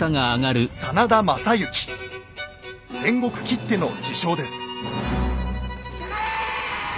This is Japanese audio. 戦国きっての知将です。